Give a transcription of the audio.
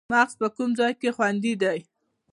مغز په کوم ځای کې خوندي دی